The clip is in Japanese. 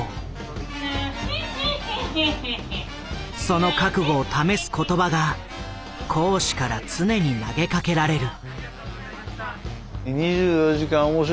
その覚悟を試す言葉が講師から常に投げかけられる。